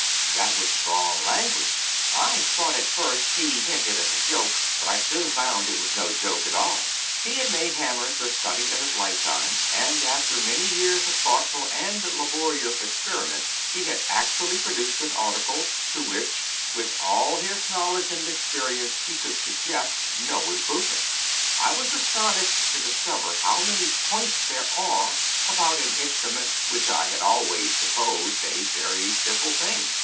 That was strong language. I thought, at first, he meant it as a joke; but I soon found it was no joke at all. He had made hammers the study of his lifetime, and, after many years of thoughtful and laborious experiment, he had actually produced an article, to which, with all his knowledge and experience, he could suggest no improvement. I was astonished to discover how many points there are about an instrument which I had always supposed a very simple thing.